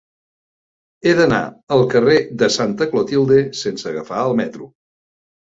He d'anar al carrer de Santa Clotilde sense agafar el metro.